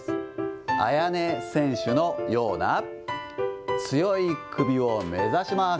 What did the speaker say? ＡＹＡＮＥ選手のような、強い首を目指します。